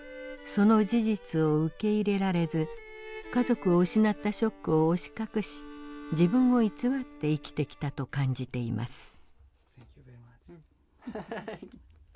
その事実を受け入れられず家族を失ったショックを押し隠し自分を偽って生きてきたと感じています。